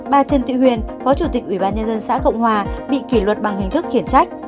bà trần thị huyền phó chủ tịch ủy ban nhân dân xã cộng hòa bị kỷ luật bằng hình thức khiển trách